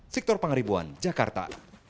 sektor pangeribuan jakarta